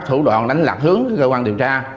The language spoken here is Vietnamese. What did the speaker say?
thủ đoàn đánh lạc hướng cơ quan điều tra